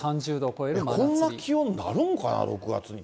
こんな気温になるんかな、６月に。